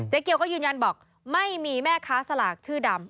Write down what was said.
เกียวก็ยืนยันบอกไม่มีแม่ค้าสลากชื่อดำ